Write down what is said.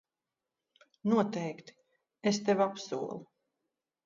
Noteikti, es tev apsolu.